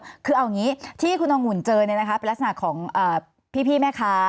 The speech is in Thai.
คือเอาอย่างงี้ที่คุณองุ่นเจอเนี่ยนะคะเป็นลักษณะของพี่พี่แม่ค้า